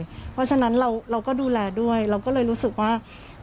เพราะฉะนั้นเราก็ดูแลด้วยเราก็เลยรู้สึกว่า